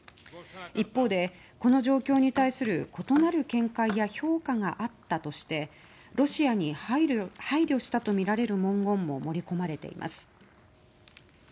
一方で、この状況に対する異なる見解や評価があったとしてロシアに配慮したとみられる文言も盛り込まれています。